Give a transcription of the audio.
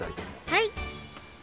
はい。